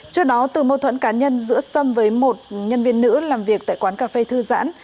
trước đó từ mâu thuẫn cá nhân giữa sâm với một nhân viên nữ làm việc tại quán cà phê thư giãn